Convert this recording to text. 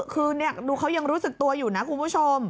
คือดูเขายังรู้สึกตัวอยู่นะคุณผู้ชม